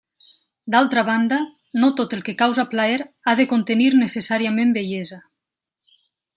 D'altra banda, no tot el que causa plaer ha de contenir necessàriament bellesa.